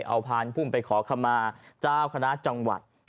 เอาพรานภูมิไปขอคำมาเจ้าคณะจังหวัด